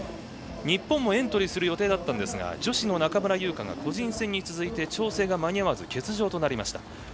日本もエントリーする予定でしたが女子の中村優花が個人戦に続いて調整が間に合わず欠場となりました。